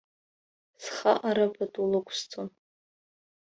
Схаҟара пату лықәысҵон.